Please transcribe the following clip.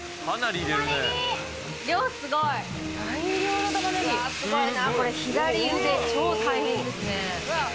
量すごい！わすごいなこれ左腕超大変ですね。